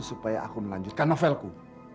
supaya aku melanjutkan novelku